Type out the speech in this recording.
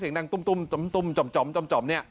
เสียงดังตุ้มตุ้มตุ้มจำจำจำจำเนี่ย